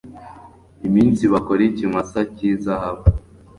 iminsi bakora ikimasa cy izahabu